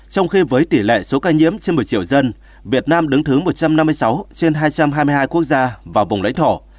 trong khi với tỷ lệ số ca nhiễm trên một mươi triệu dân việt nam đứng thứ một trăm năm mươi sáu trên hai trăm hai mươi hai quốc gia và vùng lãnh thổ